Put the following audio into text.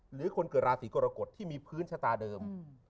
หรือคนเกิดราศีกรกฎที่มีพื้นชะตาเดิม